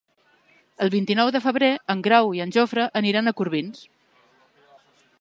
El vint-i-nou de febrer en Grau i en Jofre aniran a Corbins.